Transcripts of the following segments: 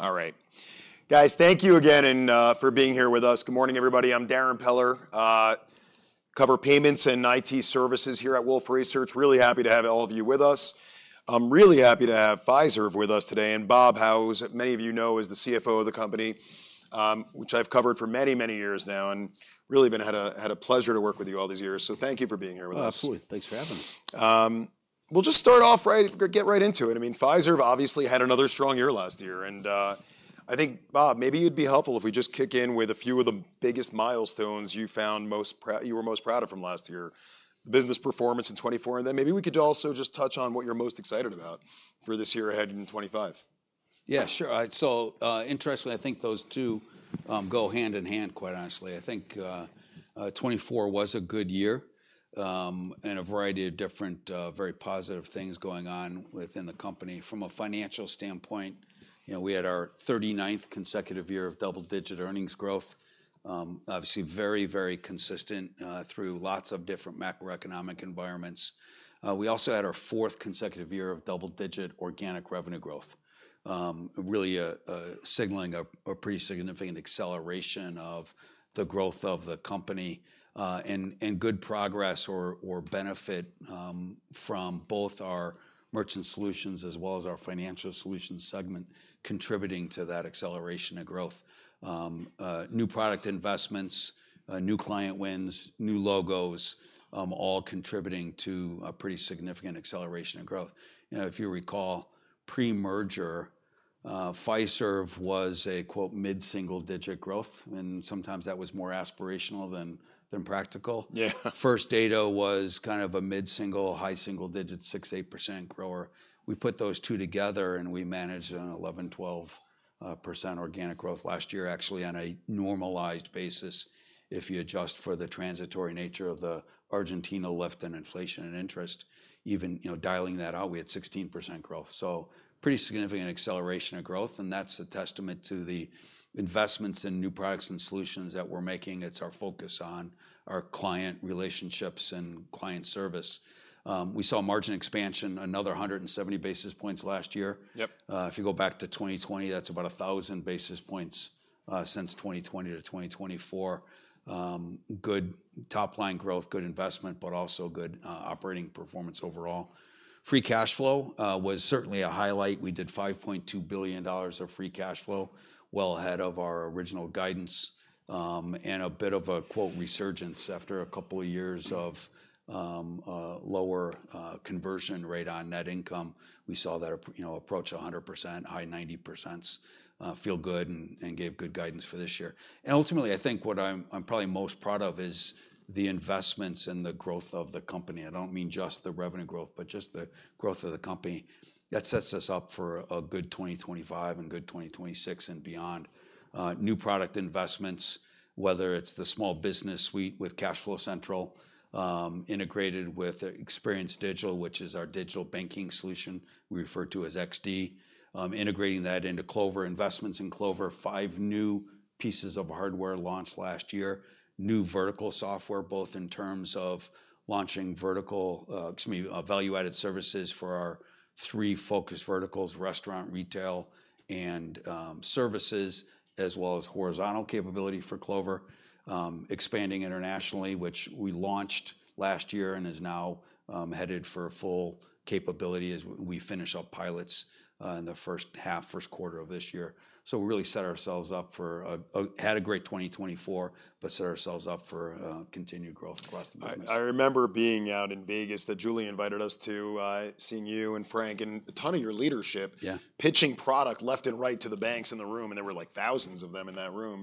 All right. Guys, thank you again for being here with us. Good morning, everybody. I'm Darren Peller, cover Payments and IT Services here at Wolfe Research. Really happy to have all of you with us. I'm really happy to have Fiserv with us today. Bob Hau, as many of you know, is the CFO of the company, which I've covered for many, many years now. Really been had a pleasure to work with you all these years. Thank you for being here with us. Absolutely. Thanks for having me. We'll just start off, right? Get right into it. I mean, Fiserv obviously had another strong year last year. I think, Bob, maybe it'd be helpful if we just kick in with a few of the biggest milestones you found you were most proud of from last year, the business performance in 2024. Maybe we could also just touch on what you're most excited about for this year ahead in 2025. Yeah, sure. Interestingly, I think those two go hand in hand, quite honestly. I think 2024 was a good year and a variety of different very positive things going on within the company. From a financial standpoint, we had our 39th consecutive year of double-digit earnings growth, obviously very, very consistent through lots of different macroeconomic environments. We also had our fourth consecutive year of double-digit organic revenue growth, really signaling a pretty significant acceleration of the growth of the company and good progress or benefit from both our Merchant Solutions as well as our Financial Solutions segment contributing to that acceleration of growth. New product investments, new client wins, new logos, all contributing to a pretty significant acceleration of growth. If you recall, pre-merger, Fiserv was a, quote, mid-single digit growth. Sometimes that was more aspirational than practical. First Data was kind of a mid-single, high single digit, 6-8% grower. We put those two together and we managed an 11-12% organic growth last year, actually on a normalized basis. If you adjust for the transitory nature of the Argentina lift in inflation and interest, even dialing that out, we had 16% growth. Pretty significant acceleration of growth. That is a testament to the investments in new products and solutions that we are making. It is our focus on our client relationships and client service. We saw margin expansion, another 170 basis points last year. If you go back to 2020, that is about 1,000 basis points since 2020 to 2024. Good top-line growth, good investment, but also good operating performance overall. Free cash flow was certainly a highlight. We did $5.2 billion of free cash flow, well ahead of our original guidance. A bit of a, quote, resurgence after a couple of years of lower conversion rate on net income. We saw that approach 100%, high 90%s, feel good and gave good guidance for this year. Ultimately, I think what I'm probably most proud of is the investments and the growth of the company. I don't mean just the revenue growth, but just the growth of the company. That sets us up for a good 2025 and good 2026 and beyond. New product investments, whether it's the small business suite with CashFlow Central integrated with Experience Digital, which is our digital banking solution we refer to as XD, integrating that into Clover investments and Clover, five new pieces of hardware launched last year. New vertical software, both in terms of launching value-added services for our three focus verticals, restaurant, retail, and services, as well as horizontal capability for Clover, expanding internationally, which we launched last year and is now headed for full capability as we finish up pilots in the first half, first quarter of this year. We really set ourselves up for, had a great 2024, but set ourselves up for continued growth across the business. I remember being out in Vegas that Julie invited us to, seeing you and Frank and a ton of your leadership pitching product left and right to the banks in the room. There were like thousands of them in that room.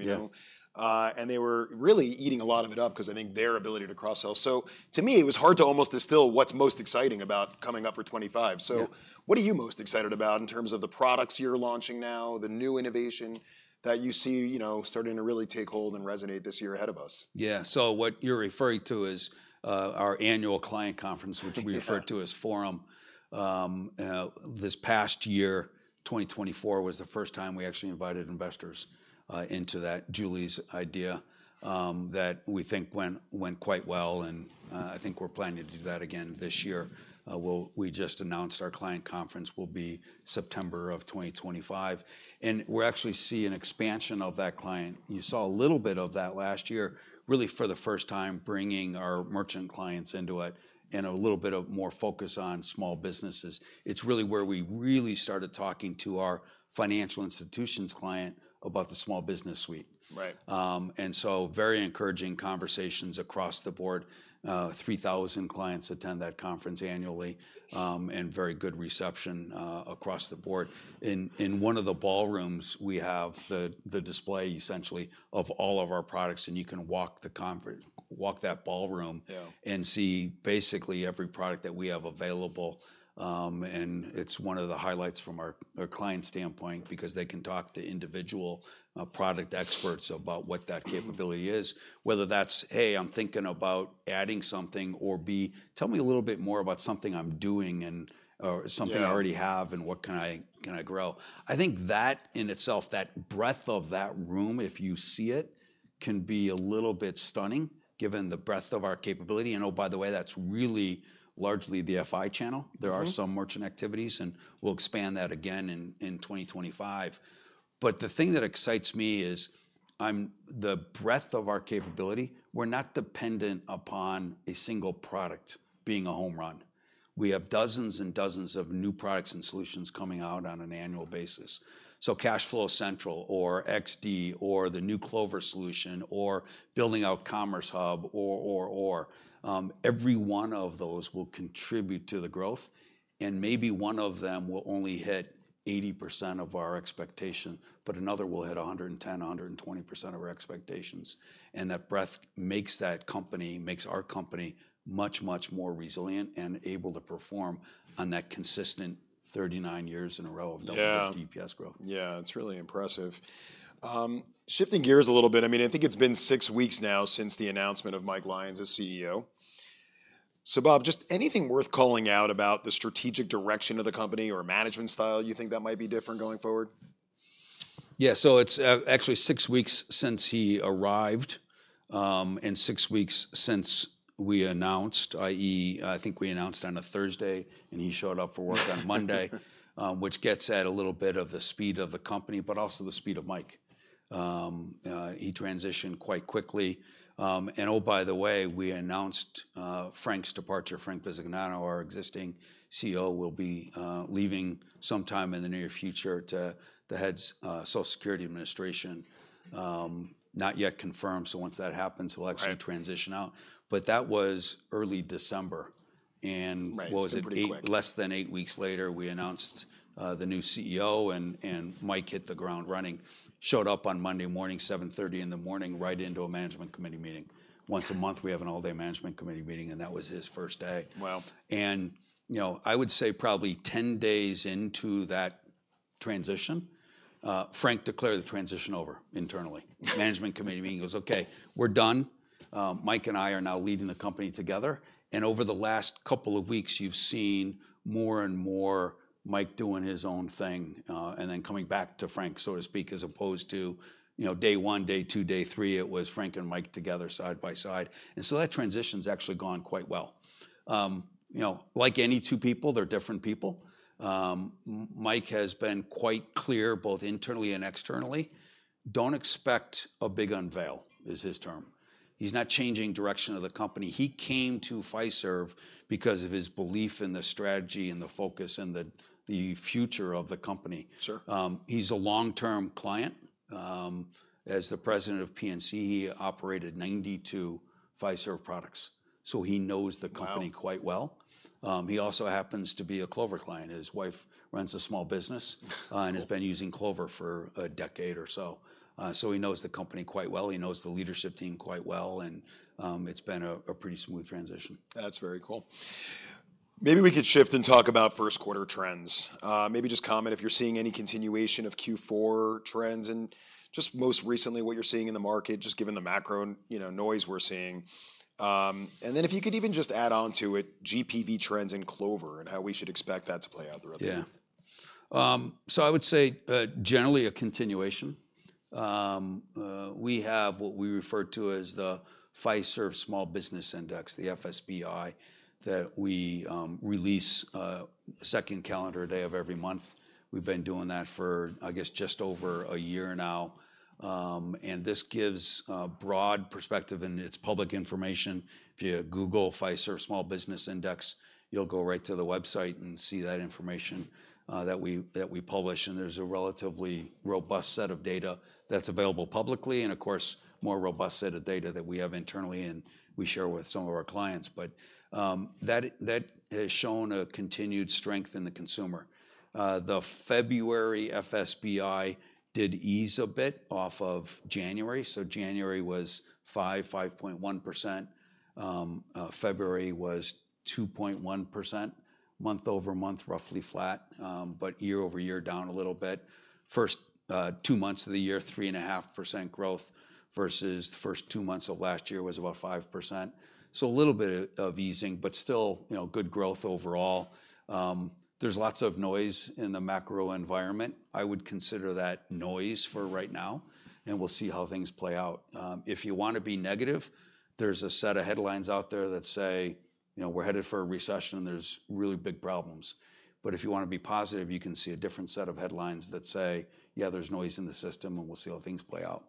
They were really eating a lot of it up because I think their ability to cross-sell. To me, it was hard to almost distill what's most exciting about coming up for 2025. What are you most excited about in terms of the products you're launching now, the new innovation that you see starting to really take hold and resonate this year ahead of us? Yeah. So what you're referring to is our annual client conference, which we refer to as Forum. This past year, 2024, was the first time we actually invited investors into that. Julie's idea that we think went quite well. I think we're planning to do that again this year. We just announced our client conference will be September of 2025. We're actually seeing an expansion of that client. You saw a little bit of that last year, really for the first time, bringing our merchant clients into it and a little bit more focus on small businesses. It's really where we really started talking to our financial institutions client about the small business suite. Very encouraging conversations across the board. 3,000 clients attend that conference annually and very good reception across the board. In one of the ballrooms, we have the display essentially of all of our products. You can walk that ballroom and see basically every product that we have available. It is one of the highlights from our client standpoint because they can talk to individual product experts about what that capability is, whether that is, "Hey, I am thinking about adding something," or "B, tell me a little bit more about something I am doing or something I already have and what can I grow?" I think that in itself, that breadth of that room, if you see it, can be a little bit stunning given the breadth of our capability. Oh, by the way, that is really largely the FI channel. There are some merchant activities, and we will expand that again in 2025. The thing that excites me is the breadth of our capability. We're not dependent upon a single product being a home run. We have dozens and dozens of new products and solutions coming out on an annual basis. Cashflow Central or XD or the new Clover solution or building out Commerce Hub or, or, or. Every one of those will contribute to the growth. Maybe one of them will only hit 80% of our expectation, but another will hit 110%, 120% of our expectations. That breadth makes that company, makes our company much, much more resilient and able to perform on that consistent 39 years in a row of double-digit EPS growth. Yeah, it's really impressive. Shifting gears a little bit, I mean, I think it's been six weeks now since the announcement of Mike Lyons as CEO. So Bob, just anything worth calling out about the strategic direction of the company or management style you think that might be different going forward? Yeah, so it's actually six weeks since he arrived and six weeks since we announced, i.e., I think we announced on a Thursday and he showed up for work on Monday, which gets at a little bit of the speed of the company, but also the speed of Mike. He transitioned quite quickly. Oh, by the way, we announced Frank's departure. Frank Bisignano, our existing CEO, will be leaving sometime in the near future to head Social Security Administration. Not yet confirmed. Once that happens, we'll actually transition out. That was early December. Less than eight weeks later, we announced the new CEO and Mike hit the ground running, showed up on Monday morning, 7:30 in the morning, right into a management committee meeting. Once a month, we have an all-day management committee meeting, and that was his first day. I would say probably 10 days into that transition, Frank declared the transition over internally. Management committee meeting was, "Okay, we're done. Mike and I are now leading the company together." Over the last couple of weeks, you've seen more and more Mike doing his own thing and then coming back to Frank, so to speak, as opposed to day one, day two, day three, it was Frank and Mike together side by side. That transition's actually gone quite well. Like any two people, they're different people. Mike has been quite clear both internally and externally. Don't expect a big unveil is his term. He's not changing direction of the company. He came to Fiserv because of his belief in the strategy and the focus and the future of the company. He's a long-term client. As the president of PNC, he operated 92 Fiserv products. He knows the company quite well. He also happens to be a Clover client. His wife runs a small business and has been using Clover for a decade or so. He knows the company quite well. He knows the leadership team quite well. It has been a pretty smooth transition. That's very cool. Maybe we could shift and talk about first quarter trends. Maybe just comment if you're seeing any continuation of Q4 trends and just most recently what you're seeing in the market, just given the macro noise we're seeing. If you could even just add on to it, GPV trends in Clover and how we should expect that to play out throughout the year. Yeah. I would say generally a continuation. We have what we refer to as the Fiserv Small Business Index, the FSBI, that we release the second calendar day of every month. We've been doing that for, I guess, just over a year now. This gives a broad perspective and it's public information. If you Google Fiserv Small Business Index, you'll go right to the website and see that information that we publish. There's a relatively robust set of data that's available publicly and, of course, a more robust set of data that we have internally and we share with some of our clients. That has shown a continued strength in the consumer. The February FSBI did ease a bit off of January. January was 5, 5.1%. February was 2.1%, month over month, roughly flat, but year over year down a little bit. First two months of the year, 3.5% growth versus the first two months of last year was about 5%. A little bit of easing, but still good growth overall. There is lots of noise in the macro environment. I would consider that noise for right now. We will see how things play out. If you want to be negative, there is a set of headlines out there that say we are headed for a recession and there are really big problems. If you want to be positive, you can see a different set of headlines that say, yeah, there is noise in the system and we will see how things play out.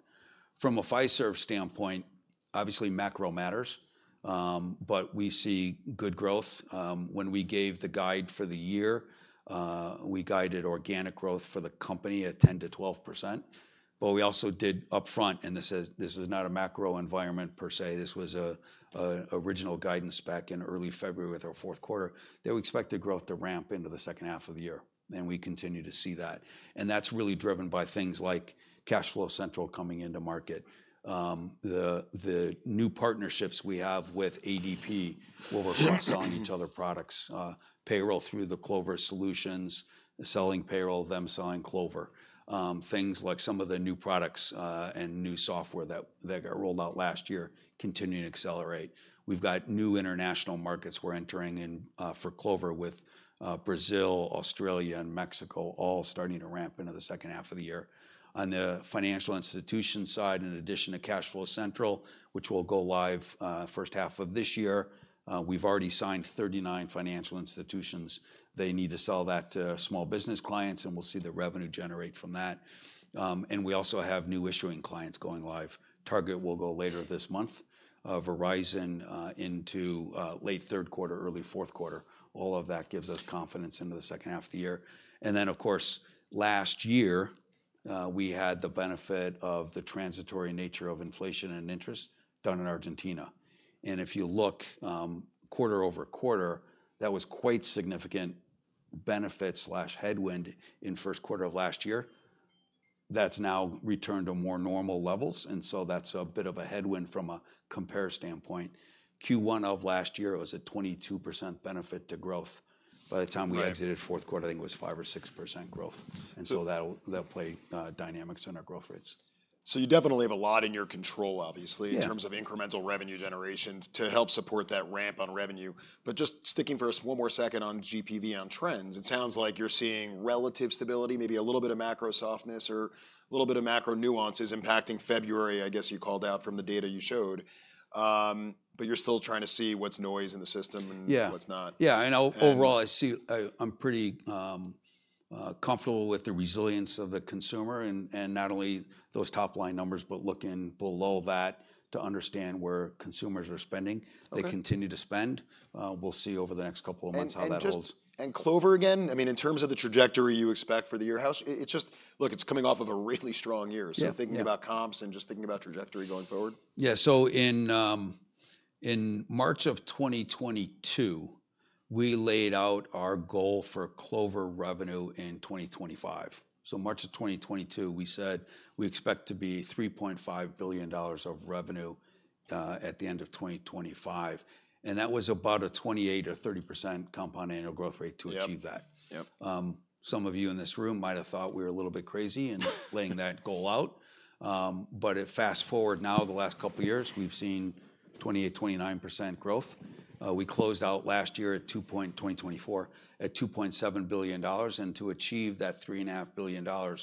From a Fiserv standpoint, obviously macro matters, but we see good growth. When we gave the guide for the year, we guided organic growth for the company at 10-12%. We also did upfront, and this is not a macro environment per se. This was an original guidance back in early February with our fourth quarter that we expect the growth to ramp into the second half of the year. We continue to see that. That is really driven by things like Cashflow Central coming into market. The new partnerships we have with ADP, where we're cross-selling each other's products, payroll through the Clover solutions, selling payroll, them selling Clover. Things like some of the new products and new software that got rolled out last year continue to accelerate. We've got new international markets we're entering in for Clover with Brazil, Australia, and Mexico all starting to ramp into the second half of the year. On the financial institution side, in addition to Cashflow Central, which will go live first half of this year, we've already signed 39 financial institutions. They need to sell that to small business clients, and we'll see the revenue generate from that. We also have new issuing clients going live. Target will go later this month, Verizon into late third quarter, early fourth quarter. All of that gives us confidence into the second half of the year. Of course, last year, we had the benefit of the transitory nature of inflation and interest done in Argentina. If you look quarter over quarter, that was quite significant benefit slash headwind in first quarter of last year. That's now returned to more normal levels. That's a bit of a headwind from a compare standpoint. Q1 of last year, it was a 22% benefit to growth. By the time we exited fourth quarter, I think it was 5% or 6% growth. That will play dynamics in our growth rates. You definitely have a lot in your control, obviously, in terms of incremental revenue generation to help support that ramp on revenue. Just sticking for us one more second on GPV on trends, it sounds like you're seeing relative stability, maybe a little bit of macro softness or a little bit of macro nuances impacting February, I guess you called out from the data you showed. You're still trying to see what's noise in the system and what's not. Yeah. Overall, I see I'm pretty comfortable with the resilience of the consumer and not only those top-line numbers, but looking below that to understand where consumers are spending. They continue to spend. We'll see over the next couple of months how that holds. Clover again, I mean, in terms of the trajectory you expect for the year ahead, it's just, look, it's coming off of a really strong year. So thinking about comps and just thinking about trajectory going forward. Yeah. In March of 2022, we laid out our goal for Clover revenue in 2025. In March of 2022, we said we expect to be $3.5 billion of revenue at the end of 2025. That was about a 28%-30% compound annual growth rate to achieve that. Some of you in this room might have thought we were a little bit crazy in laying that goal out. Fast forward now, the last couple of years, we've seen 28%-29% growth. We closed out last year at $2.24-$2.7 billion. To achieve that $3.5 billion,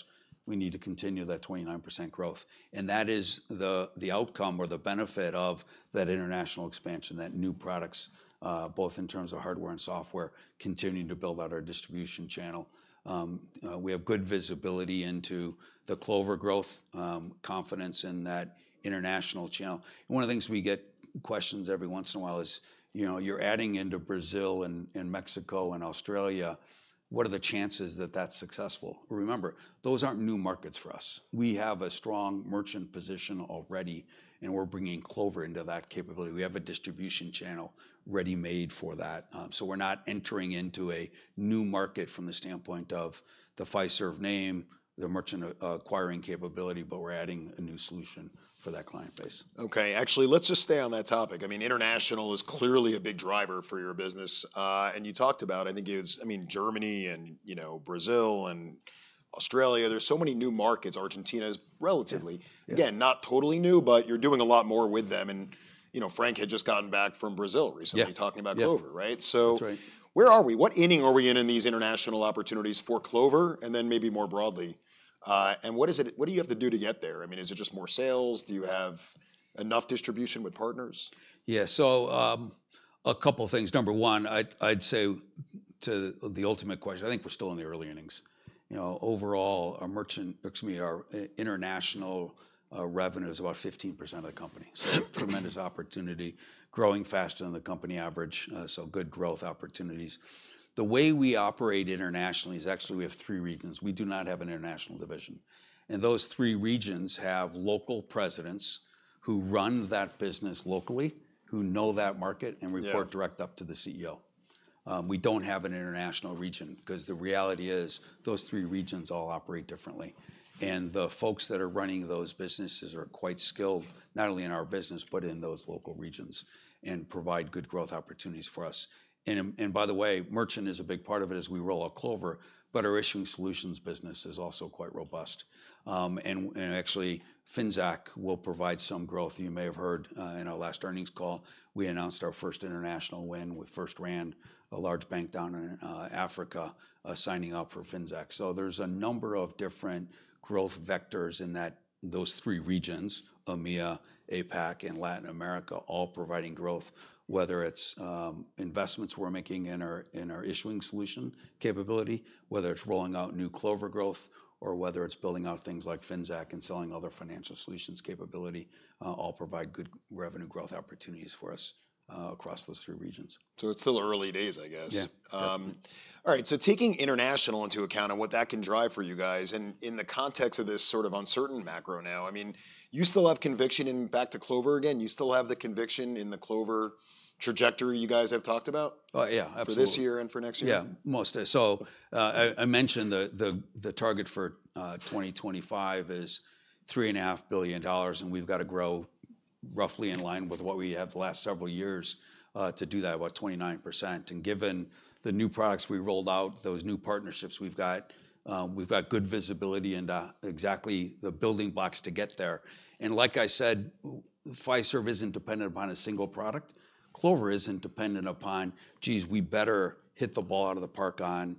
we need to continue that 29% growth. That is the outcome or the benefit of that international expansion, that new products, both in terms of hardware and software, continuing to build out our distribution channel. We have good visibility into the Clover growth, confidence in that international channel. One of the things we get questions every once in a while is, you're adding into Brazil and Mexico and Australia. What are the chances that that's successful? Remember, those aren't new markets for us. We have a strong merchant position already, and we're bringing Clover into that capability. We have a distribution channel ready-made for that. We are not entering into a new market from the standpoint of the Fiserv name, the merchant acquiring capability, but we're adding a new solution for that client base. Okay. Actually, let's just stay on that topic. I mean, international is clearly a big driver for your business. You talked about, I think it was, I mean, Germany and Brazil and Australia. There are so many new markets. Argentina is relatively, again, not totally new, but you're doing a lot more with them. Frank had just gotten back from Brazil recently talking about Clover, right? Where are we? What inning are we in in these international opportunities for Clover and then maybe more broadly? What do you have to do to get there? I mean, is it just more sales? Do you have enough distribution with partners? Yeah. A couple of things. Number one, I'd say to the ultimate question, I think we're still in the early innings. Overall, our merchant, excuse me, our international revenue is about 15% of the company. Tremendous opportunity, growing faster than the company average. Good growth opportunities. The way we operate internationally is actually we have three regions. We do not have an international division. Those three regions have local presidents who run that business locally, who know that market and report direct up to the CEO. We do not have an international region because the reality is those three regions all operate differently. The folks that are running those businesses are quite skilled, not only in our business, but in those local regions and provide good growth opportunities for us. By the way, merchant is a big part of it as we roll out Clover, but our issuing solutions business is also quite robust. Actually, Finxact will provide some growth. You may have heard in our last earnings call, we announced our first international win with FirstRand, a large bank down in Africa signing up for Finxact. There are a number of different growth vectors in those three regions, EMEA, APAC, and Latin America, all providing growth, whether it's investments we're making in our issuing solution capability, whether it's rolling out new Clover growth, or whether it's building out things like Finxact and selling other Financial Solutions capability, all provide good revenue growth opportunities for us across those three regions. It's still early days, I guess. Yeah. All right. Taking international into account and what that can drive for you guys and in the context of this sort of uncertain macro now, I mean, you still have conviction in back to Clover again? You still have the conviction in the Clover trajectory you guys have talked about? Yeah, absolutely. For this year and for next year? Yeah, mostly. I mentioned the target for 2025 is $3.5 billion, and we've got to grow roughly in line with what we have the last several years to do that, about 29%. Given the new products we rolled out, those new partnerships we've got, we've got good visibility and exactly the building blocks to get there. Like I said, Fiserv isn't dependent upon a single product. Clover isn't dependent upon, geez, we better hit the ball out of the park on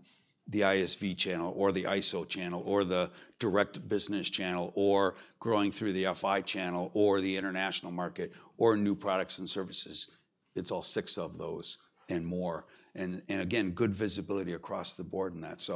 the ISV channel or the ISO channel or the direct business channel or growing through the FI channel or the international market or new products and services. It's all six of those and more. Again, good visibility across the board in that.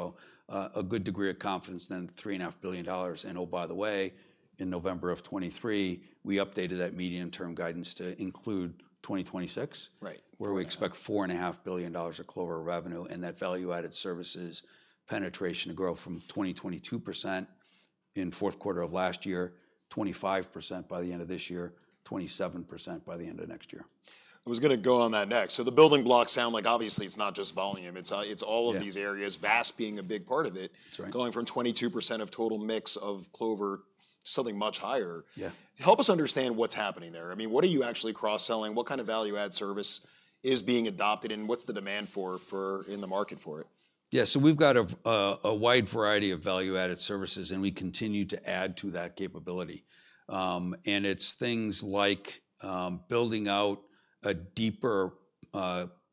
A good degree of confidence in that $3.5 billion. By the way, in November of 2023, we updated that medium-term guidance to include 2026, where we expect $4.5 billion of Clover revenue and that value-added services penetration to grow from 22% in fourth quarter of last year, 25% by the end of this year, 27% by the end of next year. I was going to go on that next. The building blocks sound like obviously it's not just volume. It's all of these areas, VASP being a big part of it. That's right. Going from 22% of total mix of Clover to something much higher. Yeah. Help us understand what's happening there. I mean, what are you actually cross-selling? What kind of value-added service is being adopted and what's the demand for in the market for it? Yeah. We have got a wide variety of value-added services, and we continue to add to that capability. It is things like building out a deeper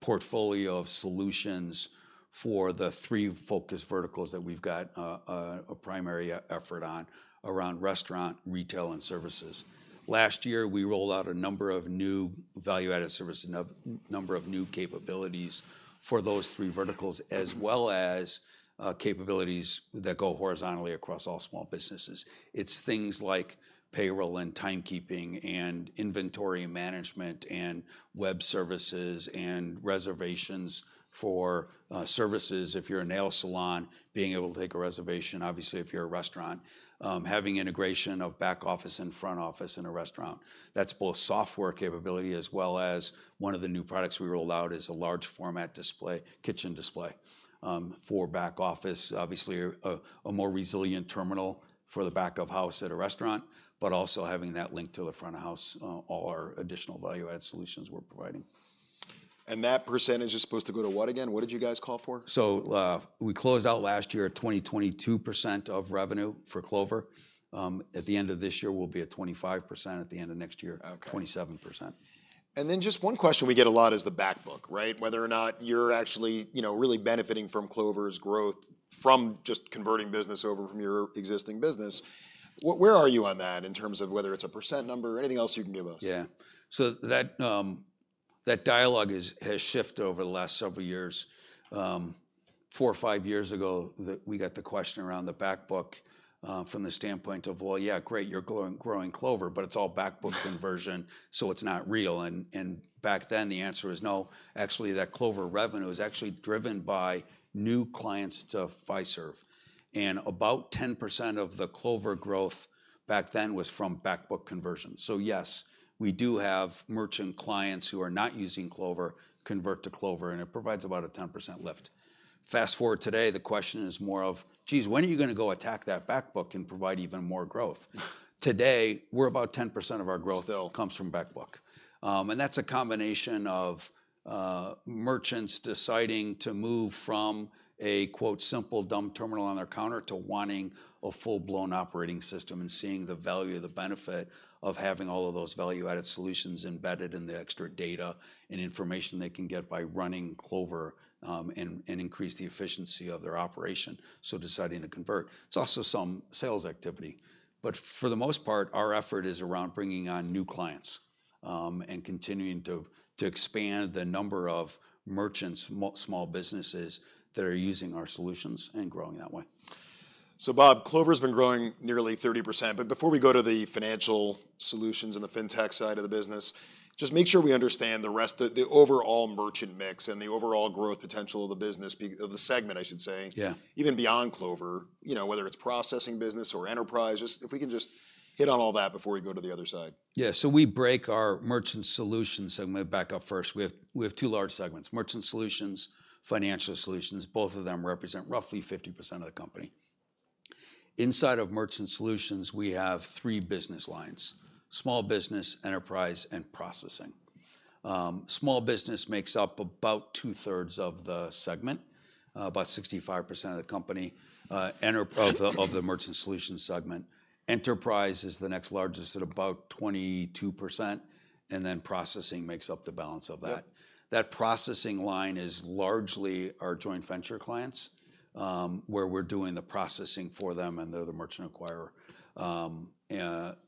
portfolio of solutions for the three focus verticals that we have got a primary effort on around restaurant, retail, and services. Last year, we rolled out a number of new value-added services, a number of new capabilities for those three verticals, as well as capabilities that go horizontally across all small businesses. It is things like payroll and timekeeping and inventory management and web services and reservations for services. If you are a nail salon, being able to take a reservation, obviously, if you are a restaurant, having integration of back office and front office in a restaurant. That's both software capability as well as one of the new products we rolled out is a large-format kitchen display for back office, obviously a more resilient terminal for the back of house at a restaurant, but also having that link to the front of house, all our additional value-added solutions we're providing. That percentage is supposed to go to what again? What did you guys call for? We closed out last year at 22% of revenue for Clover. At the end of this year, we'll be at 25%. At the end of next year, 27%. Just one question we get a lot is the backbook, right? Whether or not you're actually really benefiting from Clover's growth from just converting business over from your existing business. Where are you on that in terms of whether it's a percent number or anything else you can give us? Yeah. That dialogue has shifted over the last several years. Four or five years ago, we got the question around the backbook from the standpoint of, yeah, great, you're growing Clover, but it's all backbook conversion, so it's not real. Back then, the answer was no. Actually, that Clover revenue is actually driven by new clients to Fiserv. About 10% of the Clover growth back then was from backbook conversion. Yes, we do have merchant clients who are not using Clover convert to Clover, and it provides about a 10% lift. Fast forward today, the question is more of, geez, when are you going to go attack that backbook and provide even more growth? Today, about 10% of our growth comes from backbook. That is a combination of merchants deciding to move from a, quote, simple dump terminal on their counter to wanting a full-blown operating system and seeing the value of the benefit of having all of those value-added solutions embedded in the extra data and information they can get by running Clover and increase the efficiency of their operation. Deciding to convert. It is also some sales activity. For the most part, our effort is around bringing on new clients and continuing to expand the number of merchants, small businesses that are using our solutions and growing that way. Bob, Clover has been growing nearly 30%. Before we go to the financial solutions and the fintech side of the business, just make sure we understand the overall merchant mix and the overall growth potential of the business, of the segment, I should say, even beyond Clover, whether it is processing business or enterprise. If we can just hit on all that before we go to the other side. Yeah. We break our merchant solution segment back up first. We have two large segments: merchant solutions, financial solutions. Both of them represent roughly 50% of the company. Inside of merchant solutions, we have three business lines: small business, enterprise, and processing. Small business makes up about two-thirds of the segment, about 65% of the merchant solution segment. Enterprise is the next largest at about 22%. Then processing makes up the balance of that. That processing line is largely our joint venture clients where we're doing the processing for them, and they're the merchant acquirer.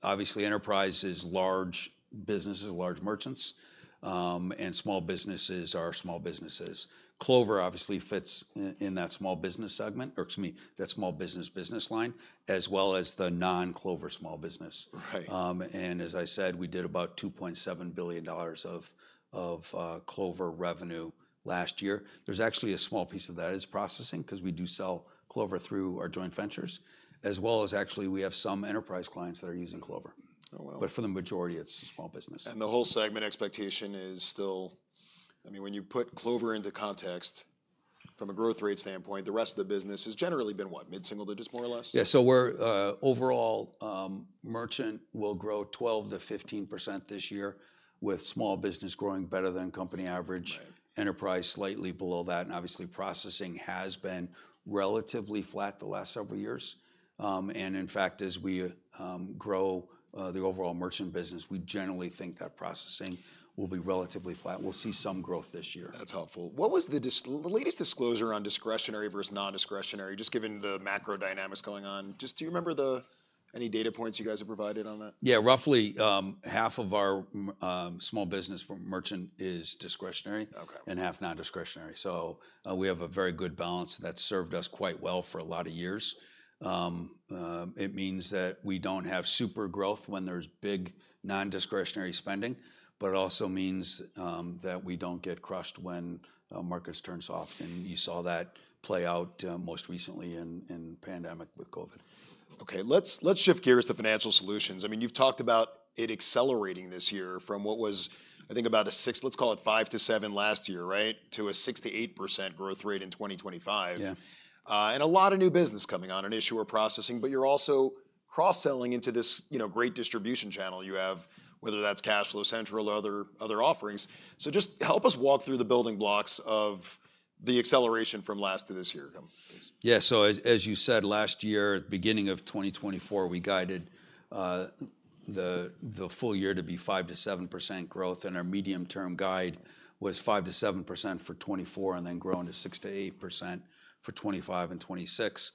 Obviously, enterprise is large businesses, large merchants, and small businesses are small businesses. Clover obviously fits in that small business segment, or excuse me, that small business business line, as well as the non-Clover small business. As I said, we did about $2.7 billion of Clover revenue last year. There's actually a small piece of that that is processing because we do sell Clover through our joint ventures, as well as actually we have some enterprise clients that are using Clover. For the majority, it's small business. The whole segment expectation is still, I mean, when you put Clover into context from a growth rate standpoint, the rest of the business has generally been what, mid-single digits, more or less? Yeah. Overall, merchant will grow 12-15% this year, with small business growing better than company average, enterprise slightly below that. Obviously, processing has been relatively flat the last several years. In fact, as we grow the overall merchant business, we generally think that processing will be relatively flat. We'll see some growth this year. That's helpful. What was the latest disclosure on discretionary versus non-discretionary, just given the macro dynamics going on? Do you remember any data points you guys have provided on that? Yeah. Roughly half of our small business merchant is discretionary and half non-discretionary. We have a very good balance that's served us quite well for a lot of years. It means that we don't have super growth when there's big non-discretionary spending, but it also means that we don't get crushed when markets turn soft. You saw that play out most recently in the pandemic with COVID. Okay. Let's shift gears to Financial Solutions. I mean, you've talked about it accelerating this year from what was, I think, about a six, let's call it five to seven last year, right, to a 6-8% growth rate in 2025. Yeah. A lot of new business coming on an issuer processing, but you're also cross-selling into this great distribution channel you have, whether that's Cashflow Central or other offerings. Just help us walk through the building blocks of the acceleration from last to this year. Yeah. As you said, last year, beginning of 2024, we guided the full year to be 5-7% growth, and our medium-term guide was 5-7% for 2024 and then growing to 6-8% for 2025 and 2026.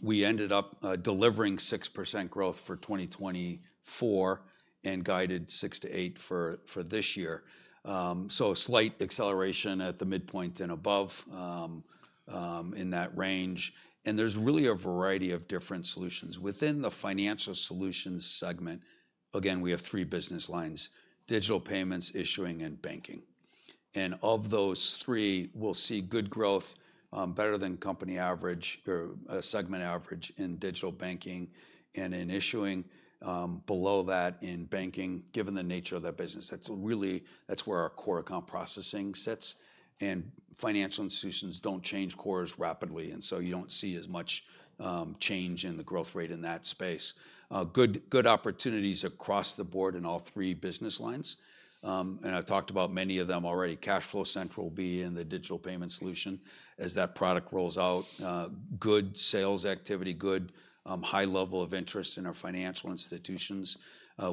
We ended up delivering 6% growth for 2024 and guided 6-8% for this year. A slight acceleration at the midpoint and above in that range. There is really a variety of different solutions. Within the Financial Solutions segment, again, we have three business lines: Digital payments, Issuing, and Banking. Of those three, we will see good growth, better than company average or segment average in digital banking and in issuing, below that in banking, given the nature of that business. That is really, that is where our core account processing sits. Financial institutions do not change cores rapidly, and so you do not see as much change in the growth rate in that space. Good opportunities across the board in all three business lines. I have talked about many of them already: Cashflow Central being the digital payment solution as that product rolls out, good sales activity, good high level of interest in our financial institutions.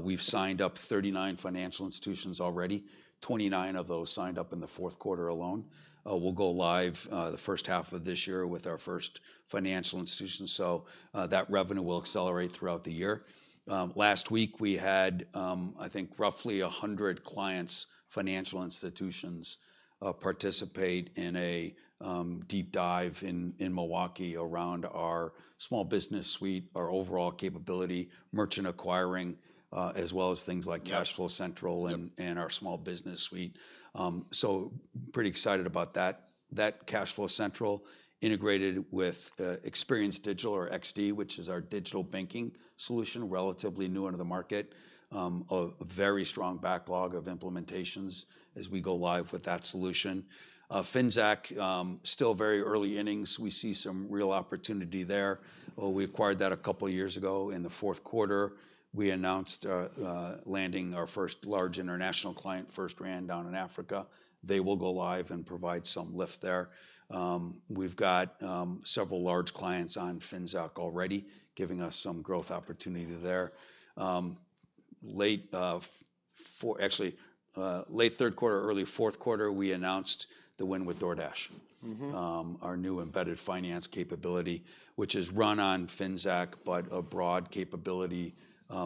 We have signed up 39 financial institutions already, 29 of those signed up in the fourth quarter alone. We will go live the first half of this year with our first financial institution. That revenue will accelerate throughout the year. Last week, I think roughly 100 clients, financial institutions, participated in a deep dive in Milwaukee around our small business suite, our overall capability, merchant acquiring, as well as things like Cashflow Central and our small business suite. Pretty excited about that. That Cashflow Central integrated with Experience Digital or XD, which is our digital banking solution, relatively new into the market, a very strong backlog of implementations as we go live with that solution. Finxact, still very early innings. We see some real opportunity there. We acquired that a couple of years ago. In the fourth quarter, we announced landing our first large international client, FirstRand down in Africa. They will go live and provide some lift there. We've got several large clients on Finxact already, giving us some growth opportunity there. Actually, late third quarter, early fourth quarter, we announced the win with DoorDash, our new embedded finance capability, which is run on Finxact, but a broad capability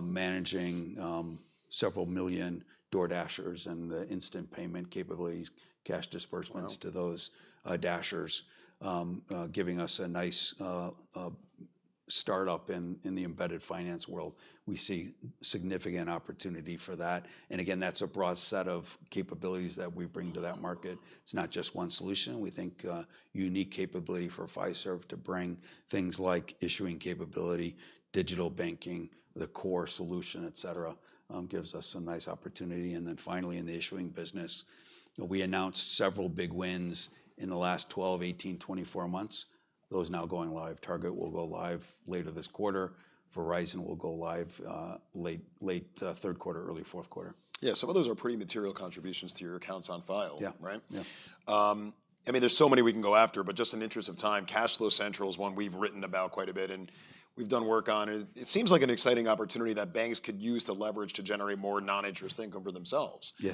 managing several million DoorDashers and the instant payment capabilities, cash disbursements to those Dashers, giving us a nice startup in the embedded finance world. We see significant opportunity for that. That is a broad set of capabilities that we bring to that market. It is not just one solution. We think unique capability for Fiserv to bring things like issuing capability, digital banking, the core solution, et cetera, gives us some nice opportunity. Finally, in the issuing business, we announced several big wins in the last 12, 18, 24 months. Those now going live. Target will go live later this quarter. Verizon will go live late third quarter, early fourth quarter. Yeah. Some of those are pretty material contributions to your accounts on file, right? Yeah. I mean, there's so many we can go after, but just in the interest of time, Cashflow Central is one we've written about quite a bit, and we've done work on it. It seems like an exciting opportunity that banks could use to leverage to generate more non-interest income for themselves. Yeah.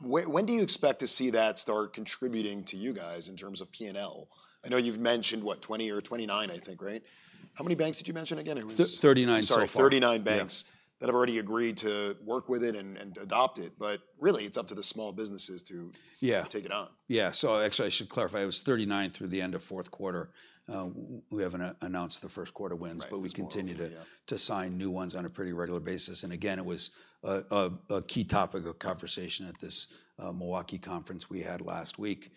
When do you expect to see that start contributing to you guys in terms of P&L? I know you've mentioned, what, 2020 or 2029, I think, right? How many banks did you mention again? Thirty-nine so far. Sorry, 39 banks that have already agreed to work with it and adopt it. Really, it's up to the small businesses to take it on. Yeah. Actually, I should clarify, it was 39 through the end of fourth quarter. We haven't announced the first quarter wins, but we continue to sign new ones on a pretty regular basis. Again, it was a key topic of conversation at this Milwaukee conference we had last week.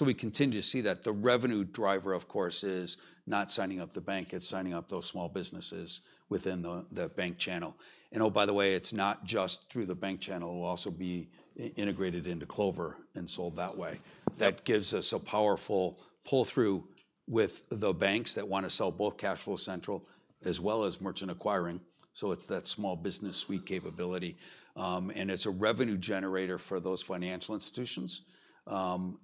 We continue to see that the revenue driver, of course, is not signing up the bank. It's signing up those small businesses within the bank channel. Oh, by the way, it's not just through the bank channel. It'll also be integrated into Clover and sold that way. That gives us a powerful pull-through with the banks that want to sell both Cashflow Central as well as merchant acquiring. It's that small business suite capability. It's a revenue generator for those financial institutions.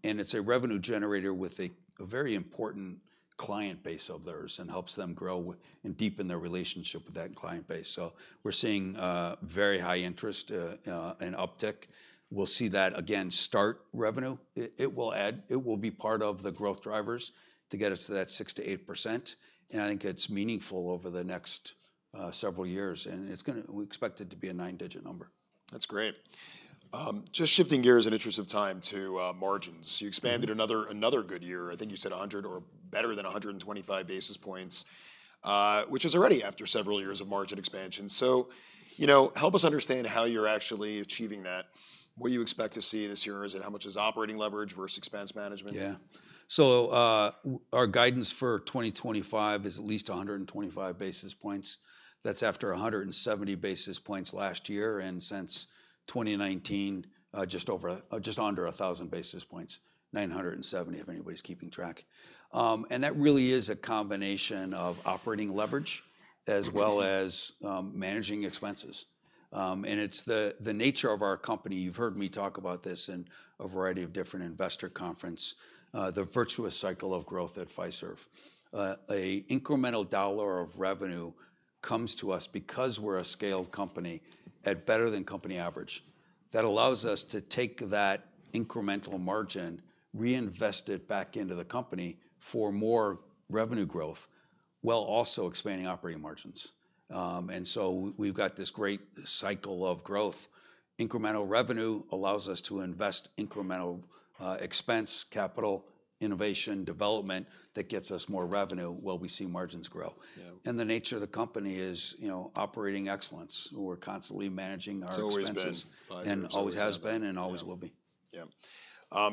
It is a revenue generator with a very important client base of theirs and helps them grow and deepen their relationship with that client base. We are seeing very high interest and uptick. We will see that again start revenue. It will add, it will be part of the growth drivers to get us to that 6-8%. I think it is meaningful over the next several years. We expect it to be a nine-digit number. That's great. Just shifting gears in interest of time to margins. You expanded another good year. I think you said 100 or better than 125 basis points, which is already after several years of margin expansion. Help us understand how you're actually achieving that. What do you expect to see this year? Is it how much is operating leverage versus expense management? Yeah. Our guidance for 2025 is at least 125 basis points. That's after 170 basis points last year and since 2019, just under 1,000 basis points, 970 if anybody's keeping track. That really is a combination of operating leverage as well as managing expenses. It's the nature of our company. You've heard me talk about this in a variety of different investor conferences, the virtuous cycle of growth at Fiserv. An incremental dollar of revenue comes to us because we're a scaled company at better than company average. That allows us to take that incremental margin, reinvest it back into the company for more revenue growth while also expanding operating margins. We've got this great cycle of growth. Incremental revenue allows us to invest incremental expense, capital, innovation, development that gets us more revenue while we see margins grow. The nature of the company is operating excellence. We're constantly managing our expenses and always has been and always will be. Yeah.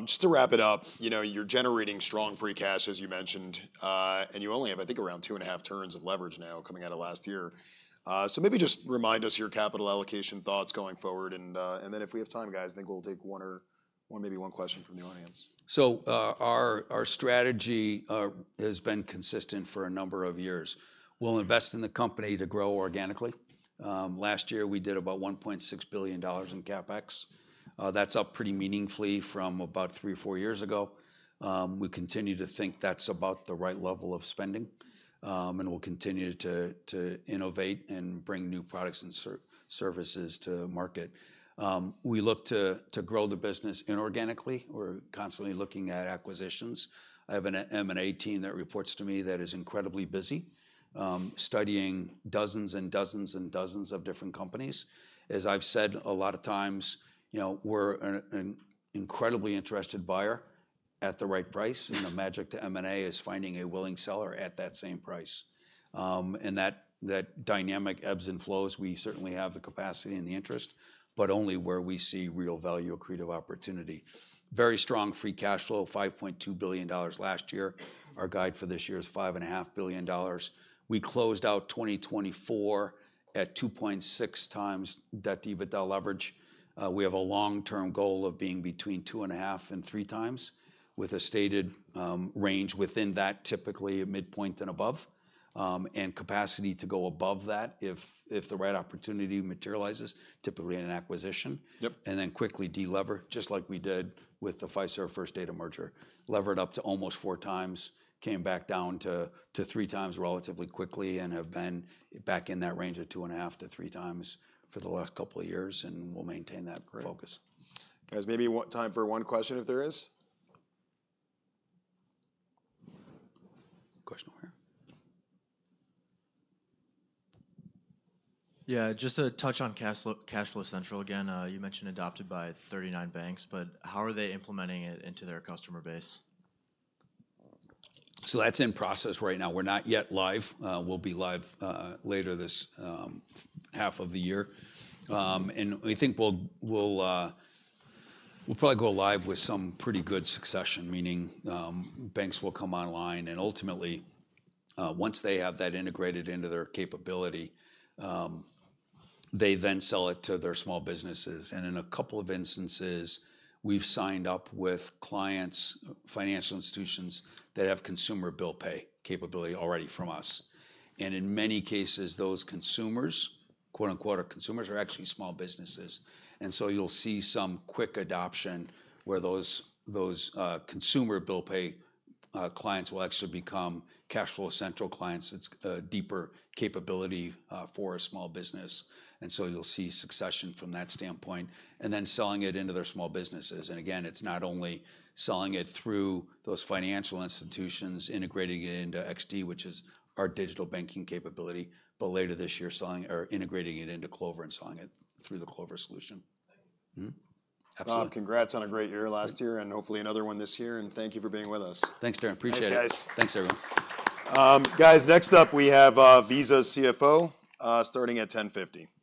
Just to wrap it up, you're generating strong free cash, as you mentioned, and you only have, I think, around two and a half turns of leverage now coming out of last year. Maybe just remind us your capital allocation thoughts going forward. If we have time, guys, I think we'll take one or maybe one question from the audience. Our strategy has been consistent for a number of years. We'll invest in the company to grow organically. Last year, we did about $1.6 billion in CapEx. That's up pretty meaningfully from about three or four years ago. We continue to think that's about the right level of spending, and we'll continue to innovate and bring new products and services to market. We look to grow the business inorganically. We're constantly looking at acquisitions. I have an M&A team that reports to me that is incredibly busy studying dozens and dozens and dozens of different companies. As I've said a lot of times, we're an incredibly interested buyer at the right price. The magic to M&A is finding a willing seller at that same price. That dynamic ebbs and flows. We certainly have the capacity and the interest, but only where we see real value, a creative opportunity. Very strong free cash flow, $5.2 billion last year. Our guide for this year is $5.5 billion. We closed out 2024 at 2.6 times debt/EBITDA leverage. We have a long-term goal of being between two and a half and three times with a stated range within that, typically midpoint and above, and capacity to go above that if the right opportunity materializes, typically in an acquisition, and then quickly delever, just like we did with the Fiserv First Data merger, levered up to almost four times, came back down to three times relatively quickly, and have been back in that range of two and a half to three times for the last couple of years, and we'll maintain that focus. Guys, maybe time for one question if there is? Question over here. Yeah. Just to touch on CashFlow Central again, you mentioned adopted by 39 banks, but how are they implementing it into their customer base? That is in process right now. We're not yet live. We'll be live later this half of the year. We think we'll probably go live with some pretty good succession, meaning banks will come online. Ultimately, once they have that integrated into their capability, they then sell it to their small businesses. In a couple of instances, we've signed up with clients, financial institutions that have consumer bill pay capability already from us. In many cases, those consumers, quote unquote, our consumers, are actually small businesses. You'll see some quick adoption where those consumer bill pay clients will actually become Cashflow Central clients. It's a deeper capability for a small business. You'll see succession from that standpoint and then selling it into their small businesses. It is not only selling it through those financial institutions, integrating it into XD, which is our digital banking capability, but later this year, integrating it into Clover and selling it through the Clover solution. Absolutely. Congrats on a great year last year and hopefully another one this year. Thank you for being with us. Thanks, Darren. Appreciate it. Thanks, guys. Thanks, everyone. Guys, next up, we have Visa CFO starting at 10:50.